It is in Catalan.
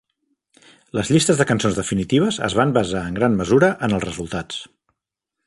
Les llistes de cançons definitives es van basar en gran mesura en els resultats.